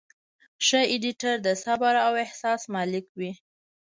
ښه ایډیټر د صبر او احساس مالک وي.